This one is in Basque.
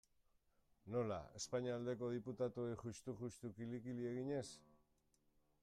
Nola, Espainia aldeko diputatuei juxtu kili-kili eginez?